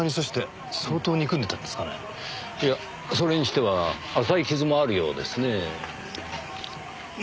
いやそれにしては浅い傷もあるようですねぇ。